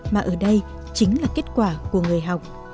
mà ở đây chính là kết quả của người học